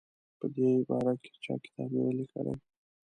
په دې باره کې چا کتاب نه دی لیکلی.